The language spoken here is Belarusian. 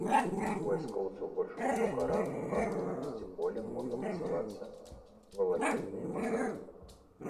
У вайскоўцаў больш высокага рангу па акружнасці поля можа мацавацца валакітныя махры.